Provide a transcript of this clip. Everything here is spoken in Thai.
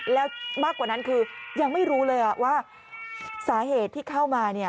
แล้วมากกว่านั้นคือยังไม่รู้เลยว่าสาเหตุที่เข้ามาเนี่ย